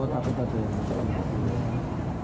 oh tapi tak ada yang masuk